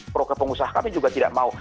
pro kepengusaha kami juga tidak mau